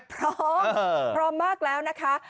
พร้อมพร้อมมากแล้วนะคะ